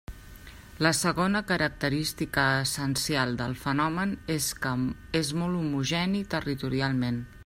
La segona característica essencial del fenomen és que és molt homogeni territorialment.